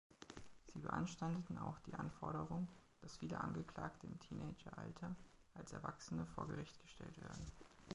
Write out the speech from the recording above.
Sie beanstandeten auch die Anforderung, dass viele Angeklagte im Teenageralter als Erwachsene vor Gericht gestellt werden.